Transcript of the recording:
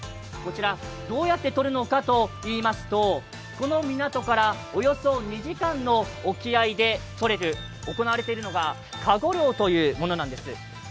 こちらどうやってとるのかといいますと、この港からおよそ２時間の沖合で行われているのがかご漁というものなんです。